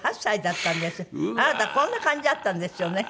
あなたこんな感じだったんですよね。